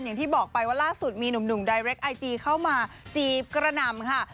อย่างที่บอกไปว่าล่าสุดมีหนุ่มไดเรคไอจีเข้ามาจีบกระหน่ำค่ะ